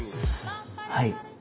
はい。